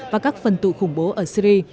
và các phần tù khủng bố ở syria